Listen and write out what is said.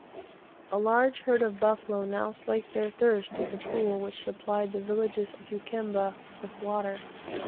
A large herd of buffalo now slake their thirst at the pool which supplied the villages of Ukamba with water.